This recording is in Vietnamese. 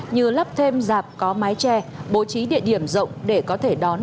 như lắp thêm dạp có mái tre bố trí địa điểm rộng để có thể đón